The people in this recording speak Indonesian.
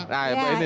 ya yang menarik nih